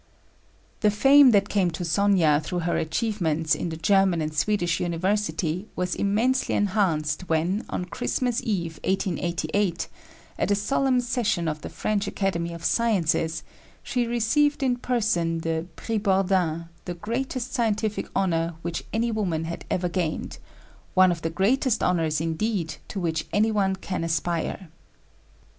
" The fame that came to Sónya through her achievements in the German and Swedish universities was immensely enhanced when, on Christmas eve, 1888, "at a solemn session of the French Academy of Sciences, she received in person the Prix Bordin the greatest scientific honor which any woman had ever gained; one of the greatest honors, indeed, to which any one can aspire."